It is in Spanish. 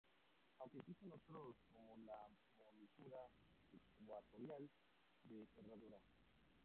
Aunque existen otros como la montura ecuatorial "de Herradura".